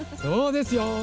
そうですよ。